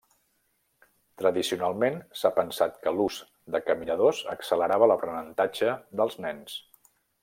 Tradicionalment, s'ha pensat que l'ús de caminadors accelerava l'aprenentatge dels nens.